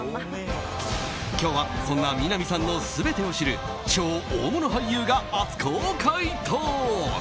今日はそんな南さんの全てを知る超大物俳優が初公開トーク。